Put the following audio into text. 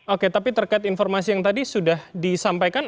oke tapi terkait informasi yang tadi sudah disampaikan